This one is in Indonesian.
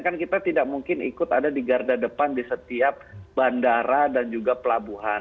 kan kita tidak mungkin ikut ada di garda depan di setiap bandara dan juga pelabuhan